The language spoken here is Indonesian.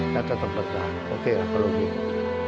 kata kata peka oke lah kalau gini